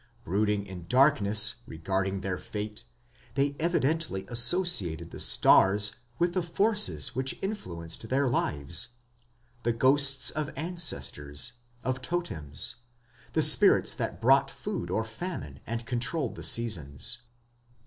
Brooding in darkness regarding their fate, they evidently associated the stars with the forces which influenced their lives the ghosts of ancestors, of totems, the spirits that brought food or famine and controlled the seasons.